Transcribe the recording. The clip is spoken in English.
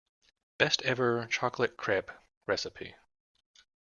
Best ever chocolate crepe recipe.